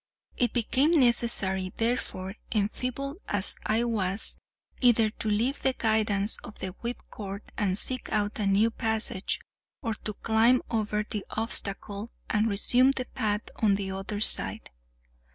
It became necessary, therefore, enfeebled as I was, either to leave the guidance of the whipcord and seek out a new passage, or to climb over the obstacle, and resume the path on the other side.